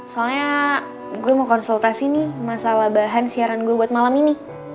soalnya gue mau konsultasi nih masalah bahan siaran gue buat malam ini